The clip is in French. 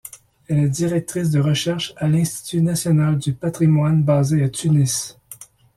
Elle est directrice de recherche à l'Institut national du patrimoine basé à Tunis.